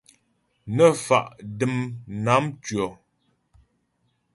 Nə́ fa' dəm nám ntʉɔ.